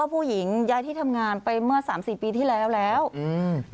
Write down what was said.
ผู้หญิงย้ายที่ทำงานไปเมื่อสามสี่ปีที่แล้วแล้วอืม